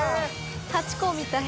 ハチ公みたい。